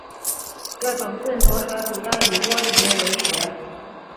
这种钝头蛇主要以蜗牛为食。